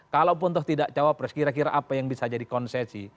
kalaupun toh tidak cawapres kira kira apa yang bisa jadi konsesi